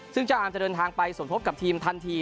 ซึ่งเจ้าอามจะเดินทางไปสมทบกับทีมทันที